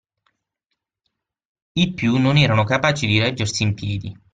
I più non erano capaci di reggersi in piedi